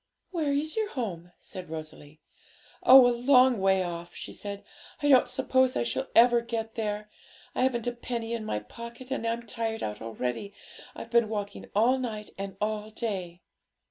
'Where is your home?' said Rosalie. 'Oh, a long way off.' she said. 'I don't suppose I shall ever get there. I haven't a penny in my pocket, and I'm tired out already. I've been walking all night, and all day.'